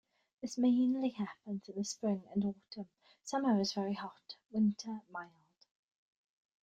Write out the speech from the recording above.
This mainly happens in the spring and autumn; summer is very hot, winter mild.